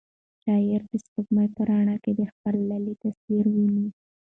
شاعر د سپوږمۍ په رڼا کې د خپل لالي تصویر ویني.